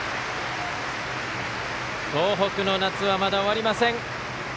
東北の夏はまだ終わりません。